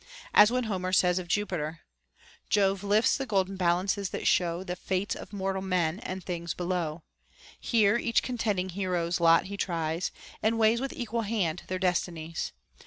As when Homer says of Jupiter, — Jove lifts the golden balances, that show The fates of mortal men, and things below. Here each contending hero's lot he tries, And weighs with equal hand their destinies.